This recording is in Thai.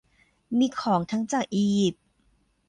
มีของทั้งจากอียิปต์